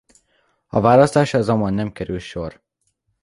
A választásra azonban nem kerül sor.